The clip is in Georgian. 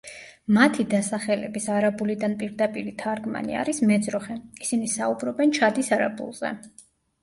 მათი დასახელების არაბულიდან პირდაპირი თარგმანი არის მეძროხე, ისინი საუბრობენ ჩადის არაბულზე.